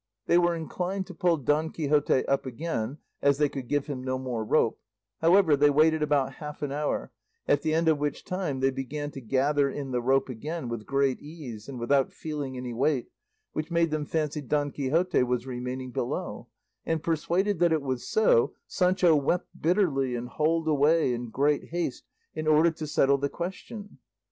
They were inclined to pull Don Quixote up again, as they could give him no more rope; however, they waited about half an hour, at the end of which time they began to gather in the rope again with great ease and without feeling any weight, which made them fancy Don Quixote was remaining below; and persuaded that it was so, Sancho wept bitterly, and hauled away in great haste in order to settle the question.